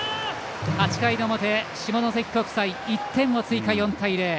８回の表、下関国際１点を追加、４対０。